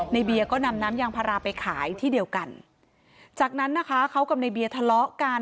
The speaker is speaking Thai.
เบียร์ก็นำน้ำยางพาราไปขายที่เดียวกันจากนั้นนะคะเขากับในเบียร์ทะเลาะกัน